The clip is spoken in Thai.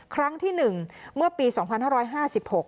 ครั้งที่หนึ่งเมื่อปีสองพันห้าร้อยห้าสิบหก